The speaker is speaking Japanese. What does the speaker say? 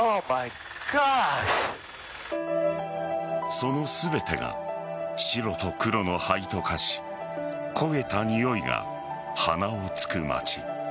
その全てが白と黒の灰と化し焦げたにおいが鼻をつく町。